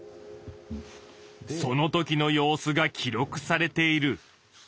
そのときの様子が記録されている。